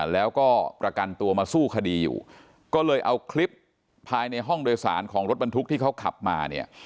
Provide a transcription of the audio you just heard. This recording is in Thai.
แล้วก็ประกันตัวมาสู้คดีอยู่ก็เลยเอาคลิปภายในห้องโดยสารของรถบรรทุกที่เขาขับมาเนี่ย